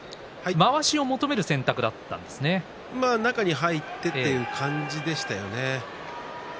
まわしを求める選択中に入ってという感じでしたよね。